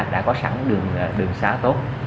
đã có sẵn đường xá tốt